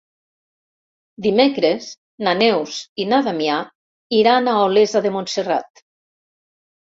Dimecres na Neus i na Damià iran a Olesa de Montserrat.